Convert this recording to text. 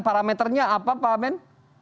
parameternya apa pak ben